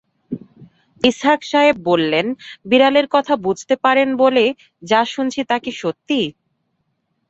ইসহাক সাহেব বললেনবিড়ালের কথা বুঝতে পারেন বলে যা শুনছি তা কি সত্যি?